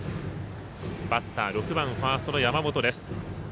バッター、６番ファーストの山本。